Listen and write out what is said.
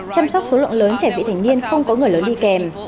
chăm sóc số lượng lớn trẻ vị thành niên không có người lớn đi kèm